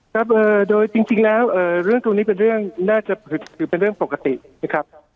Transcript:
ครับโดยจริงแล้วเรื่องตรงนี้เป็นเรื่องน่าจะถือเป็นเรื่องปกตินะครับ